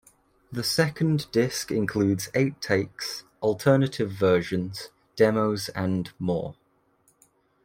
The second disc includes outtakes, alternative versions, demos and more.